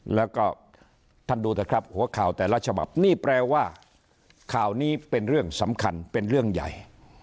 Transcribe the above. แล้วก็ท่านดูเถอะครับหัวข่าวแต่ละฉบับนี่แปลว่าข่าวนี้เป็นเรื่องสำคัญเป็นเรื่องใหญ่